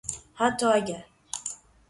حتی اگر